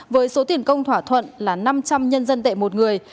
với số tiền công thỏa thuận là năm trăm linh nhân dân tệ một người